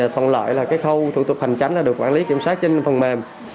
thuận lợi là khâu thủ tục hành tránh được quản lý kiểm soát trên phần mềm